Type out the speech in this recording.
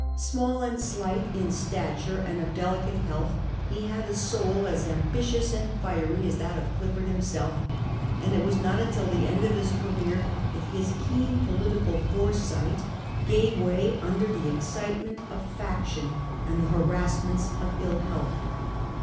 Small and slight in stature and of deli cate health, he had a soul as ambitious and fiery as that of Clifford himself ; and it was not until the end of his career that his keen political foresight gave way under the excitement of faction and the harassments of ill health.